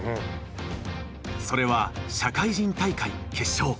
それは社会人大会決勝。